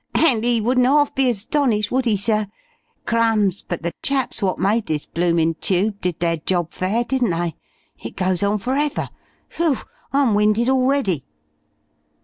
"And 'e wouldn't 'arf be astonished, would 'e, sir?... Crumbs! but the chaps wot made this bloomin' tube did their job fair, didn't they? It goes on forever.... Whew! I'm winded already."